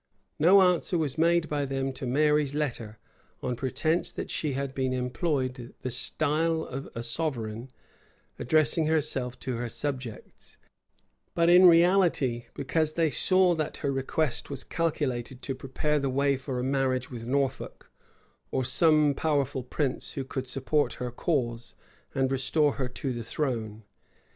No answer was made by them to Mary's letter, on pretence that she had there employed the style of a sovereign, addressing herself to her subjects; but in reality, because they saw that her request was calculated to prepare the way for a marriage with Norfolk, or some powerful prince, who could support her cause, and restore her to the throne.